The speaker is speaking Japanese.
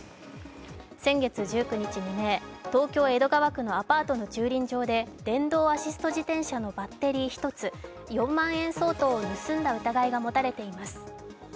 先月１９日未明東京・江戸川区のアパートの駐輪場で電動アシスト自転車のバッテリー１つ、４万円相当を盗んだ疑いが持たれています。